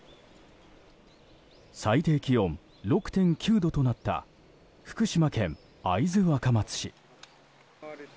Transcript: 最低気温６．９度となった福島県会津若松市。